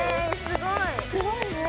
すごいね。